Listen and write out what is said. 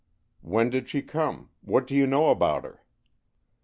"When did she come? What do you know about her?"